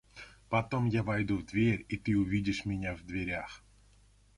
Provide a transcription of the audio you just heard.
Потом я войду в дверь и ты увидишь меня в дверях.